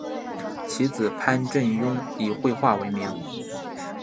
其子潘振镛以绘画闻名。